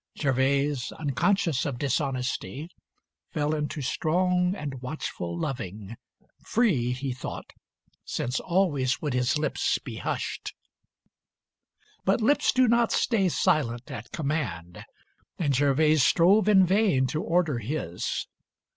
Gervase, unconscious of dishonesty, Fell into strong and watchful loving, free He thought, since always would his lips be hushed. XXVII But lips do not stay silent at command, And Gervase strove in vain to order his.